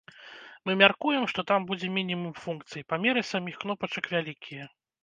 Мы мяркуем, што там будзе мінімум функцый, памеры саміх кнопачак вялікія.